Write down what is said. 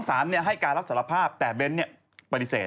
๒สารให้การรับสารภาพแต่เบลเลสซิ่งปฏิเสธ